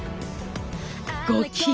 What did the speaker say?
ご機嫌。